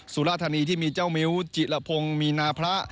สุรธนีย์ที่มีเจ้ามิวจิระพงมีนาพระ